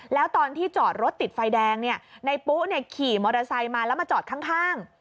แล้วตอนที่จอดรถติดไฟแดงเนี่ยนายปุ๊กเนี่ยขี่มอเตอร์ไซส์มาแล้วมาจอดข้างข้าง